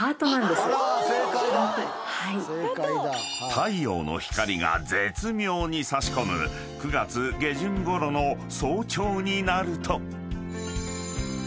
［太陽の光が絶妙に差し込む９月下旬ごろの早朝になると］